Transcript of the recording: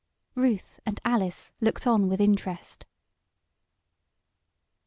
Ruth and Alice looked on with interest.